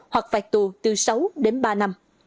hoặc phạt tù từ sáu đến ba năm